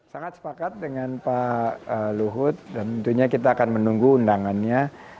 sangat sepakat dengan pak luhut dan tentunya kita akan menunggu undangannya